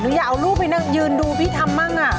หนูอยากเอารูปไปนั่ง